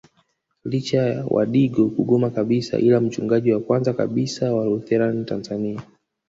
Licha wadigo kugoma kabisa ila mchungaji wa kwanza kabisa wa Lutheran Tanzania